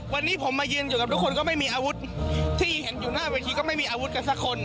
วันนี้ผมมายืนอยู่กับทุกคนก็ไม่มีอาวุธที่เห็นอยู่หน้าเวทีก็ไม่มีอาวุธกันสักคน